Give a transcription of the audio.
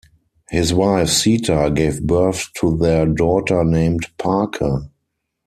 His wife, Sita, gave birth to their daughter named Parker.